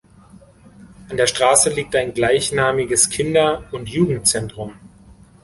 An der Straße liegt ein gleichnamiges Kinder- und Jugendzentrum.